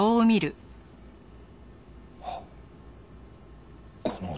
あっこの男。